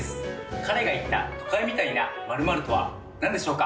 彼が言った都会みたいな○○とは何でしょうか？